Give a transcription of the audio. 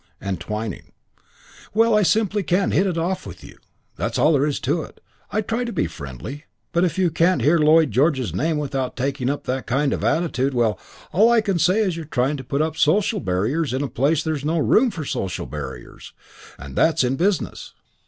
And Twyning, "Well, I simply can't hit it off with you. That's all there is to it. I try to be friendly; but if you can't hear Lloyd George's name without taking up that kind of attitude, well, all I can say is you're trying to put up social barriers in a place where there's no room for social barriers, and that's in business."